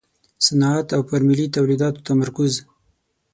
صنعت او پر ملي تولیداتو تمرکز.